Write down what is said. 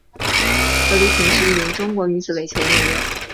何丽萍是一名中国女子垒球运动员。